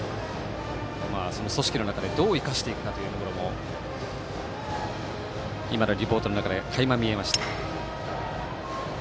組織の中でどう生かしていくかというところも今のリポートの中でかいま見えました。